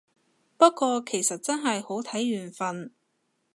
不過其實真係好睇緣份